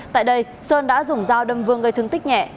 tại đây sơn đã dùng dao đâm vương gây thương tích nhẹ